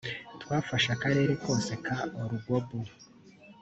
twafashe akarere kose ka arugobu